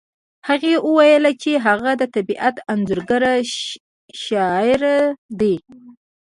هغې وویل چې هغه د طبیعت انځورګر شاعر دی